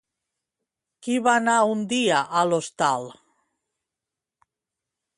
Qui va anar un dia a l'hostal?